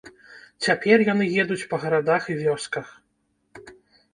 Цяпер яны едуць па гарадах і вёсках.